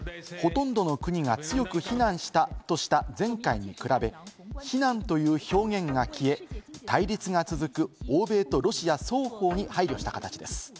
一方で、ほとんどの国が強く非難したとした前回に比べ、非難という表現が消え、対立が続く欧米とロシア双方に配慮した形です。